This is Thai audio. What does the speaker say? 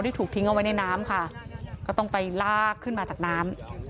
ถูกทิ้งเอาไว้ในน้ำค่ะก็ต้องไปลากขึ้นมาจากน้ำ